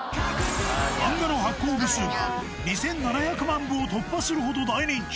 漫画の発行部数は２７００万部を突破するほど大人気。